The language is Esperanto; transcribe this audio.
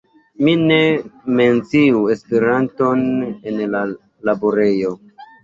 Mi ne menciu Esperanton en la laborejo.